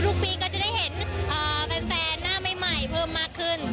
ทุกปีก็จะได้เห็นแฟนหน้าใหม่เพิ่มมากขึ้น